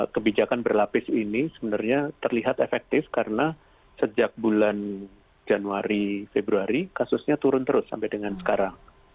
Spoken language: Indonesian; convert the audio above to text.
kebijakan berlapis ini sebenarnya terlihat efektif karena sejak bulan januari februari kasusnya turun terus sampai dengan sekarang